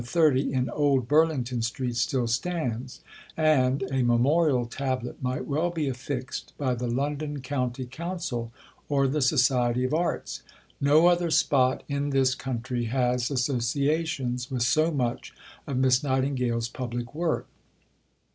30 in Old Burlington Street, still stands, and a memorial tablet might well be affixed by the London County Council or the Society of Arts. No other spot, in this country, has associations with so much of Miss Nightingale's public work.